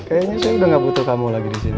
kayaknya saya udah gak butuh kamu lagi disini